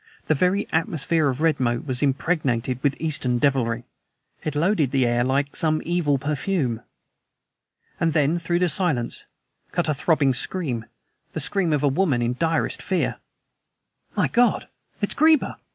The very atmosphere of Redmoat was impregnated with Eastern devilry; it loaded the air like some evil perfume. And then, through the silence, cut a throbbing scream the scream of a woman in direst fear. "My God, it's Greba!"